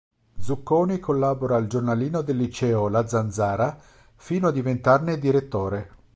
Zucconi collabora al giornalino del liceo "La Zanzara", fino a diventarne direttore.